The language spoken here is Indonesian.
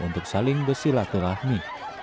untuk saling bersilaturahmi